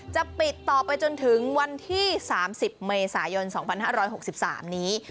จะปิดต่อไปจนถึงวันที่๓๐เมษายน๒๕๖๓นี้